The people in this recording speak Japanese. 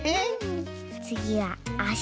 つぎはあし！